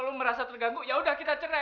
kalau lu merasa terganggu yaudah kita cerai